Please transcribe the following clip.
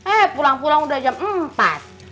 eh pulang pulang udah jam empat